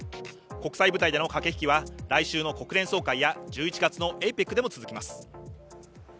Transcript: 国際舞台での駆け引きは来週の国連総会や１１月のＡＰＥＣでも続きます。